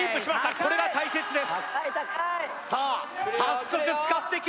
これが大切です